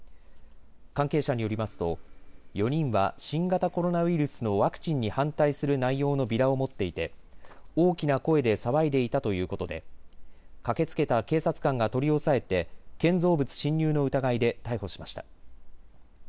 関係者によりますと４人は新型コロナウイルスのワクチンに反対する内容のビラを持っていて大きな声で騒いでいたということで駆けつけた警察官が取り押さえて建造物侵入の疑いで逮捕しました。